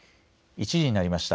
１時になりました。